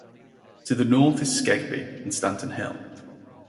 To the north is Skegby and Stanton Hill.